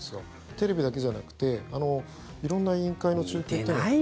テレビだけじゃなくて色んな委員会の中継等。